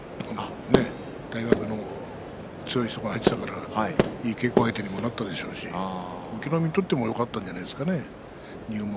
大学の強い人が入ってきたからいい稽古相手にもなったでしょうし隠岐の海にとってもよかったんじゃないですかね